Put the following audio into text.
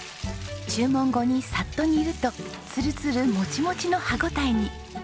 注文後にさっと煮るとつるつるモチモチの歯応えに。